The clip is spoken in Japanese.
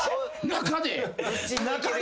・中で？